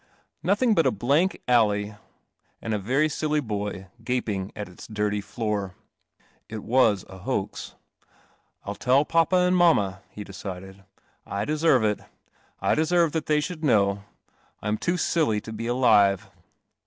Nothing but a blank alley and a very silly boy gaping at its dirty floor. It was a hoax. "I'll tell papa and mamma," he decided. 60 Tin CI HAL OMN] "I ire it. I dc en e thai the\ should kn I • Ih I i be alive."